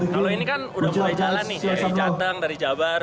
kalau ini kan udah mulai jalan nih dari jateng dari jabar